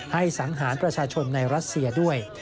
สังหารประชาชนในรัสเซียด้วย